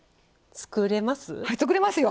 作れますよ！